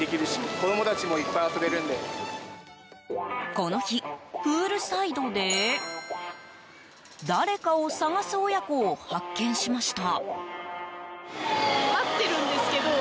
この日、プールサイドで誰かを捜す親子を発見しました。